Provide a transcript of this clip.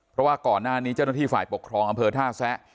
เพราะว่าก่อนหน้านี้เจ้าหน้าที่ฝ่ายปกครองอำเภอท่าแซะ